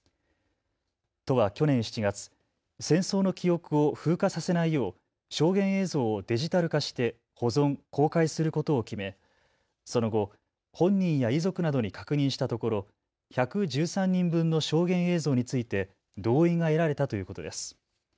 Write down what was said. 都は去年７月、戦争の記憶を風化させないよう証言映像をデジタル化して保存・公開することを決めその後、本人や遺族などに確認したところ１１３人分の証言映像について同意が得られたということです。